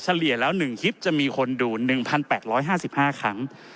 เลี่ยแล้ว๑คลิปจะมีคนดู๑๘๕๕ครั้ง